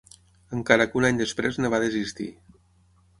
Encara que un any després en va desistir.